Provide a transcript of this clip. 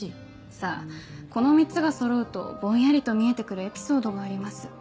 さぁこの３つがそろうとぼんやりと見えて来るエピソードがあります。